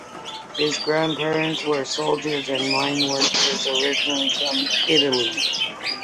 His grandparents were soldiers and mine workers originally from Italy.